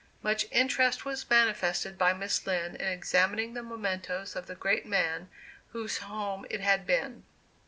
Much interest was manifested by Miss Lind in examining the mementoes of the great man whose home it had been.